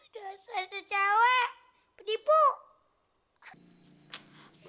dah satu cewek pedipu